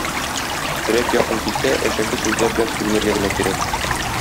Өрәк якын килсә, әшәке сүзләр белән сүгенергә генә кирәк.